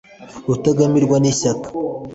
Rutagumirwa n’ ishyaka